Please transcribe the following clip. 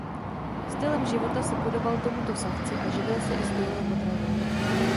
Stylem života se podobal tomuto savci a živil se i stejnou potravou.